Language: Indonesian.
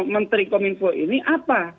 menteri kominfo ini apa